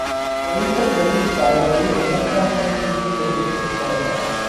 رییس پلیس دربارهی علت آتش سوزی سکوت اختیار کرد.